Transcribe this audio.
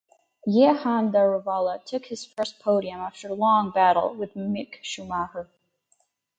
Jehan Daruvala took his first podium after long battle with Mick Schumacher.